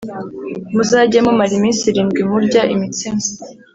Muzajye mumara iminsi irindwi murya imitsima